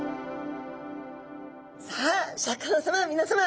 さあシャーク香音さまみなさま。